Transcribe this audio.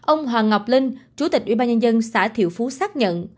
ông hoàng ngọc linh chủ tịch ubnd xã thiệu phú xác nhận